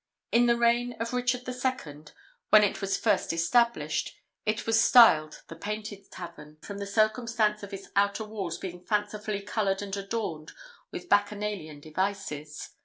In the reign of Richard II., when it was first established, it was styled the Painted Tavern, from the circumstance of its outer walls being fancifully coloured and adorned with Bacchanalian devices.